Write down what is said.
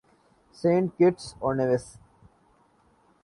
Saint Kitts اور Nevis